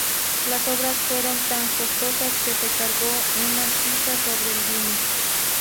Las obras fueron tan costosas que se cargó una sisa sobre el vino.